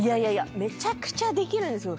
めちゃくちゃできるんですよ